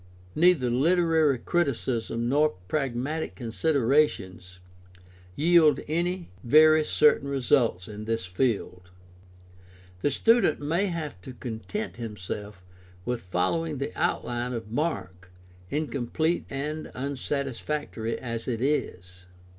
Neither Uterary criticism nor pragmatic considerations yield any very certain results in this field. The student may have to content himself with following the outHne of Mark, incom plete and unsatisfactory as it is.